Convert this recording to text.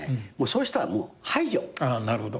なるほど。